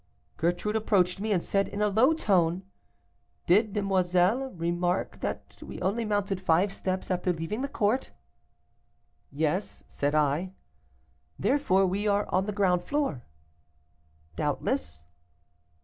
Gertrude approached me, and said in a low tone: 'Did demoiselle remark that we only mounted five steps after leaving the court?' 'Yes,' said I. 'Therefore we are on the ground floor.' 'Doubtless.